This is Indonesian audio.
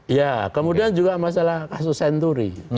ya kemudian juga masalah kasus senturi